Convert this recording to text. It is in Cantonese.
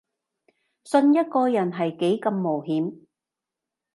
信一個人係幾咁冒險